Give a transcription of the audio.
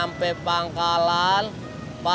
gak cukup pulsaanya